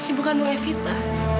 ibu kandung evita